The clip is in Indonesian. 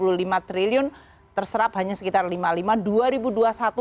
rp dua puluh lima triliun terserap hanya sekitar rp lima puluh lima triliun